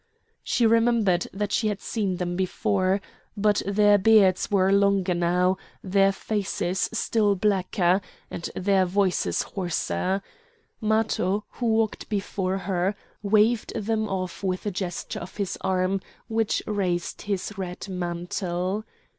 She remembered that she had seen them before; but their beards were longer now, their faces still blacker, and their voices hoarser. Matho, who walked before her, waved them off with a gesture of his arm which raised his red mantle.